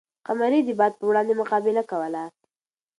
قمري د باد په وړاندې مقابله کوله.